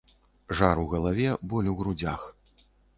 Жар у галаве, боль у грудзях.